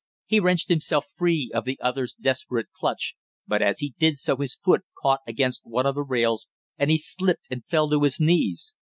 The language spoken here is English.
He wrenched himself free of the other's desperate clutch, but as he did so his foot caught against one of the rails and he slipped and fell to his knees.